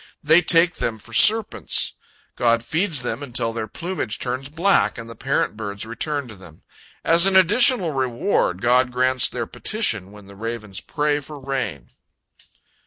They take them for serpents. God feeds them until their plumage turns black, and the parent birds return to them. As an additional reward, God grants their petition when the ravens pray for rain.